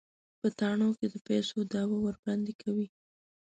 په تاڼو کې د پيسو دعوه ورباندې کوي.